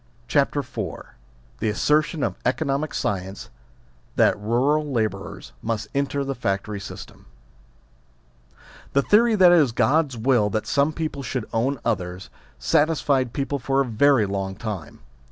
CHAPTEE IV THE ASSERTION OF ECONOMIC SCIENCE THAT ALL EURAL LABOURERS MUST ENTER THE FACTORY SYSTEM THE theory that it is God's will that some people should own others, satisfied people for a very long time.